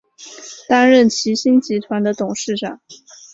担任齐星集团的董事长。